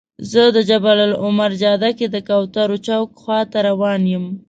زه د جبل العمر جاده کې د کوترو چوک خواته روان یم.